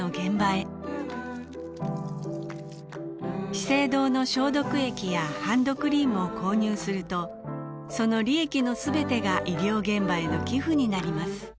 資生堂の消毒液やハンドクリームを購入するとその利益のすべてが医療現場への寄付になります